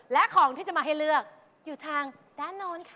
และของที่จะมาให้เลือกอยู่ทางด้านโน้นค่ะ